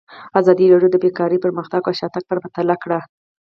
ازادي راډیو د بیکاري پرمختګ او شاتګ پرتله کړی.